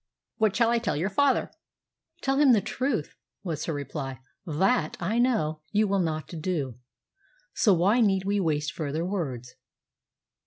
What shall I tell your father?" "Tell him the truth," was her reply. "That, I know, you will not do. So why need we waste further words?"